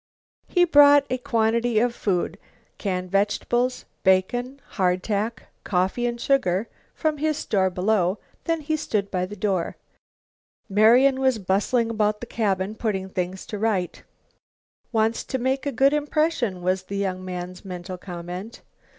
He brought a quantity of food, canned vegetables, bacon, hardtack, coffee and sugar from his store below. Then he stood by the door. Marian was bustling about the cabin, putting things to rights. "Wants to make a good impression," was the young man's mental comment.